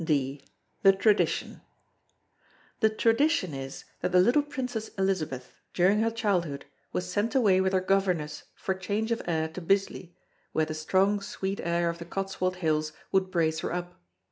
D. THE TRADITION The Tradition is that the little Princess Elizabeth, during her childhood, was sent away with her governess for change of air to Bisley where the strong sweet air of the Cotswold Hills would brace her up.